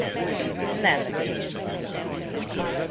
Nem vicc.